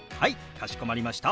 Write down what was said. かしこまりました。